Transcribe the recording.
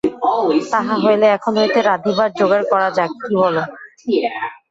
তাহা হইলে এখন হইতে রাঁধিবার জোগাড় করা যাক–কী বল?